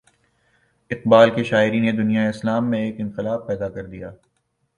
اقبال کی شاعری نے دنیائے اسلام میں ایک انقلاب پیدا کر دیا۔